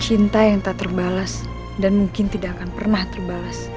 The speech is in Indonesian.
cinta yang tak terbalas dan mungkin tidak akan pernah terbalas